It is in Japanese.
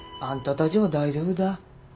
だちは大丈夫だ。